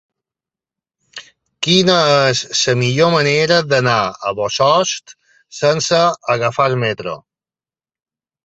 Quina és la millor manera d'anar a Bossòst sense agafar el metro?